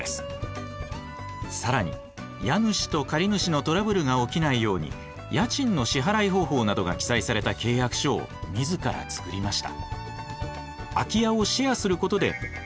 更に家主と借主のトラブルが起きないように家賃の支払い方法などが記載された契約書を自ら作りました。